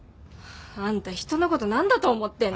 あんた人のこと何だと思ってんの？